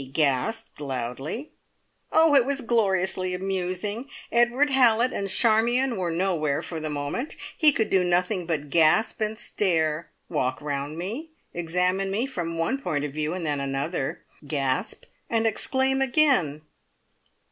he gasped loudly. Oh! it was gloriously amusing! Edward Hallett and Charmion were nowhere for the moment; he could do nothing but gasp and stare, walk round me, examine me from one point of view and then another, gasp and exclaim again.